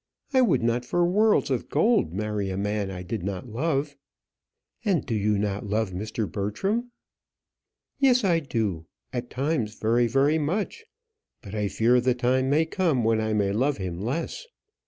I would not for worlds of gold marry a man I did not love." "And do not you love Mr. Bertram?" "Yes, I do; at times very, very much; but I fear the time may come when I may love him less.